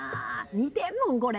似てんもんこれ。